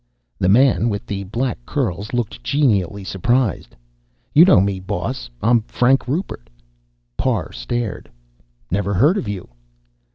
The man with the black curls looked genially surprised. "You know me, boss. I'm Frank Rupert." Parr stared. "Never heard of you."